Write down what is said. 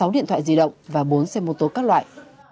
sáu điện thoại di động và bốn xe mô tô các loại